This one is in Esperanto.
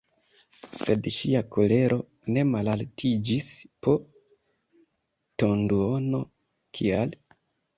Sed ŝia kolero ne malaltiĝis po tonduono: «Kial?"